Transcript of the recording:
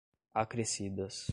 acrescidas